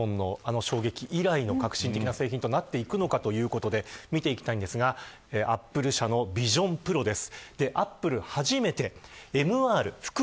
２００７年のｉＰｈｏｎｅの衝撃以来の革新的な製品となっていくのかということで見ていきたいんですがアップル社のＶｉｓｉｏｎＰｒｏです。